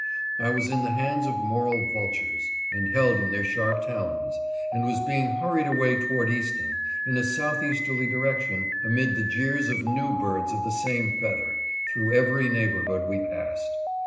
I was in the hands of moral vultures, and held in their sharp talons, and was being hurried away toward Easton, in a south easterly direction, amid the jeers of new birds of the same feather, through every neighborhood we passed.